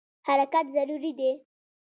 حرکت ضروري دی.